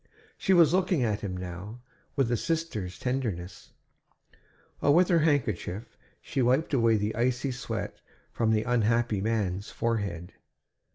She was looking at him now, with a sister's tenderness, while with her handkerchief she wiped away the icy sweat from the unhappy man's forehead.